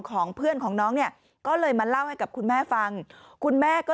ของเพื่อนของน้องเนี่ยก็เลยมาเล่าให้กับคุณแม่ฟังคุณแม่ก็